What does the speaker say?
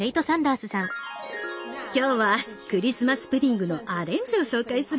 今日はクリスマス・プディングのアレンジを紹介するわ！